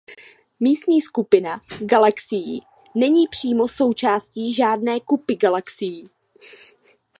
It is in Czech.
Místní skupina galaxií není přímo součástí žádné kupy galaxií.